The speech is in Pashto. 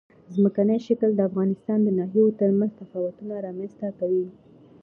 ځمکنی شکل د افغانستان د ناحیو ترمنځ تفاوتونه رامنځ ته کوي.